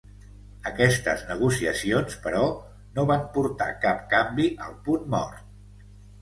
Aquestes negociacions, però, no van portar cap canvi al punt mort.